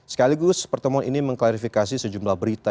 sekaligus pertemuan ini mengklarifikasi sejumlah berita